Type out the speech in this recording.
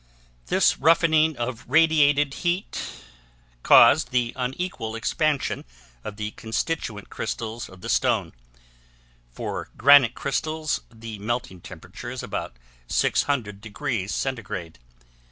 This roughening by radiated heat caused by the unequal expansion of the constituent crystals of the stone; for granite crystals the melting temperature is about 600 deg centigrade.